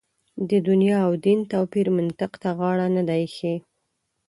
د دنیا او دین توپیر منطق ته غاړه نه ده اېښې.